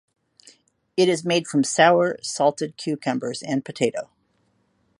It is made from sour, salted cucumbers and potato.